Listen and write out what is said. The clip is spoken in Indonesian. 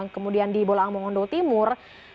kemudian di bolang mongondo timur